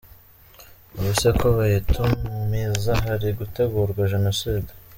Ubu se ko bayitumiza hari gutegurwa Jenoside?